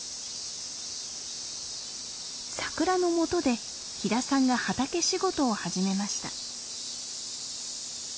サクラの下で飛田さんが畑仕事を始めました。